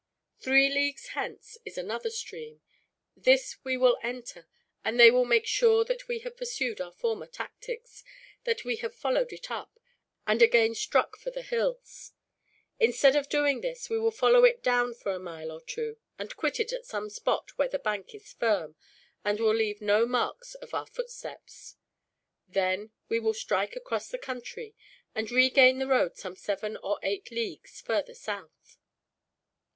"Three leagues hence is another stream. This we will enter, and they will make sure that we have pursued our former tactics that we have followed it up, and again struck for the hills. Instead of doing this, we will follow it down for a mile or two; and quit it at some spot where the bank is firm, and will leave no marks of our footsteps. Then we will strike across the country, and regain the road some seven or eight leagues further south."